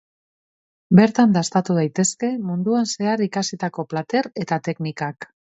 Bertan dastatu daitezke munduan zehar ikasitako plater eta teknikak.